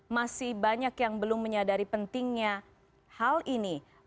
masih banyak yang belum menyadari pentingnya hal ini